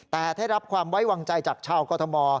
แต่ได้รับความไว้วางใจจากชาวกรทม